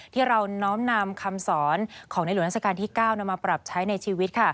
ที่เราน้อมนำคำสอนของในหลวงราชการที่๙มาปรับใช้ในชีวิต